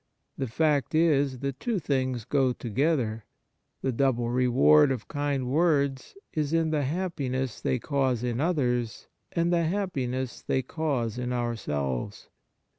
The fact is the two things go together ; the double reward of kind words is in the happiness they cause in others and the happiness they cause in ourselves.